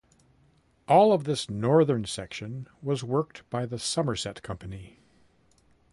All of this northern section was worked by the Somerset company.